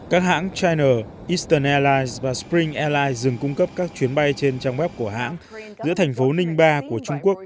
các hãng china eastern airlines và spring airlines dừng cung cấp các chuyến bay trên trang web của hãng giữa thành phố ningba của trung quốc